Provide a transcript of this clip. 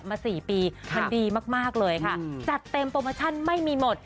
มา๔ปีมันดีมากเลยค่ะจัดเต็มโปรโมชั่นไม่มีหมด